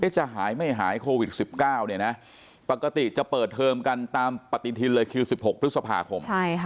จะหายไม่หายโควิด๑๙ปกติจะเปิดเทอมกันตามปฏิทินเลยคือ๑๖พฤษภาคม